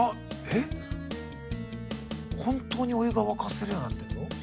えっ本当にお湯が沸かせるようになってんの？